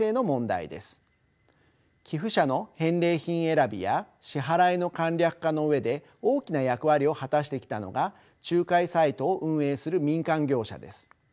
寄付者の返礼品選びや支払いの簡略化の上で大きな役割を果たしてきたのが仲介サイトを運営する民間業者です。